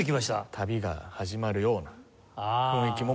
旅が始まるような雰囲気も持っている。